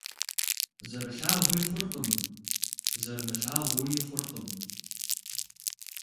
Зэрылъагъуи хъуркъым, зэрымылъагъууи хъуркъым.